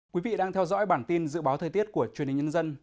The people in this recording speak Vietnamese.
quý vị đang theo dõi bản tin dự báo thời tiết của truyền hình nhân dân